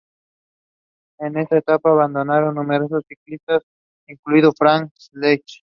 En esta etapa abandonaron numerosos ciclistas, incluido Frank Schleck.